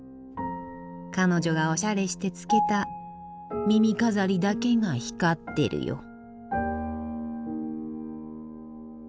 彼女がおしゃれしてつけた耳飾りだけが光ってるよ。